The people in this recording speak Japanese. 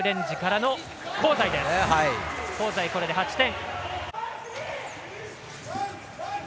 香西、これで８点。